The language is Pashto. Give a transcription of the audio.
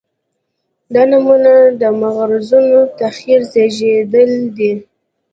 دا نومونه د مغرضانو تخیل زېږولي دي.